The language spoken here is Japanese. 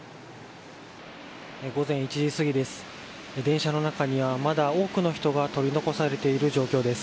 午前１時過ぎです。